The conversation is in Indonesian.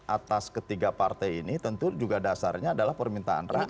atas ketiga partai ini tentu juga dasarnya adalah permintaan rakyat